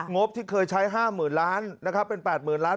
งบที่เคยใช้๕๐๐๐๐ล้านเป็น๘๐๐๐๐ล้านจะ๙๐๐๐๐ล้าน